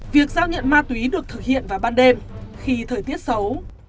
việc giao nhận ma túy được thực hiện vào ban đêm khi thời tiết xấu